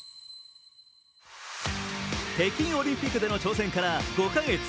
北京オリンピックでの挑戦から５カ月。